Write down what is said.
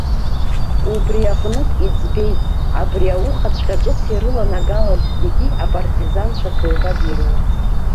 Убри аҟнытә, иӡбеит, абри аухаҵәҟьа, ҿыц ирыланагалаз зегьы, апартизанцәа ҭоуба дирурц.